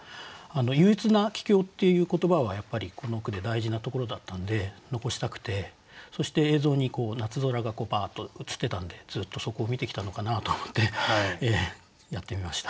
「憂鬱な帰京」っていう言葉はやっぱりこの句で大事なところだったんで残したくてそして映像に夏空がバーッと映ってたんでずっとそこを見てきたのかなと思ってやってみました。